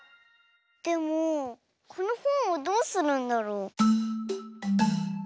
でもこのほんをどうするんだろう？